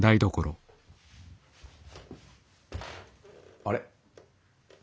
あれ？